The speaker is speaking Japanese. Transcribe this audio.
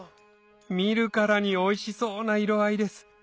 見るからにおいしそうな色合いです